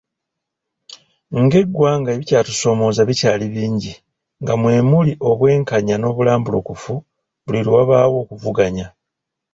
Ng'eggwanga ebikyatusoomooza bikyali bingi nga mwe muli obwenkanya n'obulambulukufu buli lwe wabaawo okuvuganya.